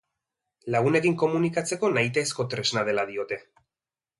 Lagunekin komunikatzeko nahitaezko tresna dela diote.